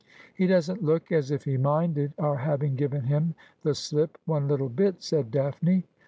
' He doesn't look as if he minded our having given him the slip one little bit,' said Daphne.